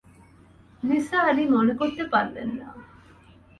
নিসার আলি মনে করতে পারলেন না।